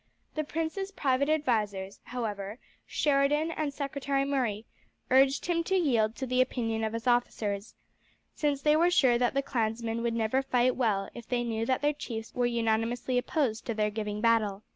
The prince's private advisers, however, Sheridan and Secretary Murray, urged him to yield to the opinion of his officers, since they were sure that the clansmen would never fight well if they knew that their chiefs were unanimously opposed to their giving battle.